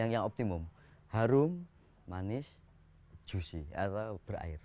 yang optimum harum manis juicy atau berair